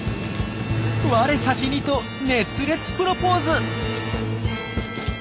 われさきにと熱烈プロポーズ。